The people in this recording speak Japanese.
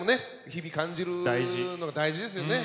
日々感じるのが大事ですよね。